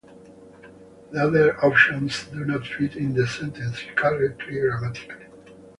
The other options do not fit in the sentence correctly grammatically.